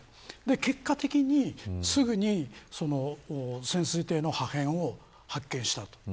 結果的に、すぐに潜水艇の破片を発見した。